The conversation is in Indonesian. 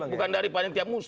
bukan dari panitia musa